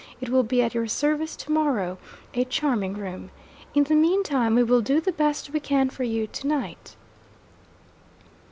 It will be at your service to morrow a charming room. In the mean time, we will do the best we can for you, to night.'